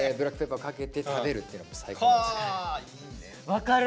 分かる！